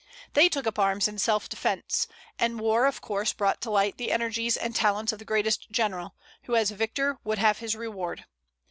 They took up arms in self defence, and war, of course, brought to light the energies and talents of the greatest general, who as victor would have his reward.